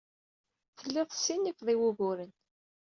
Tellid tessinifed i wuguren.